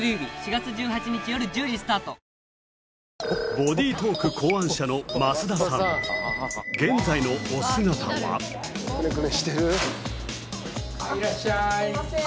ボディートーク考案者の増田さん現在のお姿はいらっしゃいすいません